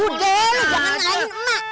udah lu jangan lain emak